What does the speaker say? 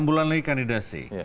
enam bulan lagi kandidasi